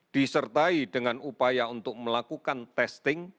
disertai dengan upaya untuk melakukan testing